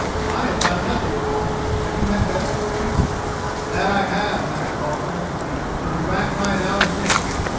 "I have found nothing, Ralph. Have you had better fortune?" "That have I, Master Walter, and was back nigh an hour since.